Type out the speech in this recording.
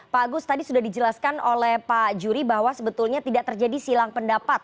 pak agus tadi sudah dijelaskan oleh pak juri bahwa sebetulnya tidak terjadi silang pendapat